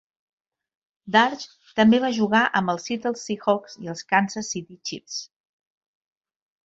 Darche també va jugar amb els Seattle Seahawks i els Kansas City Chiefs.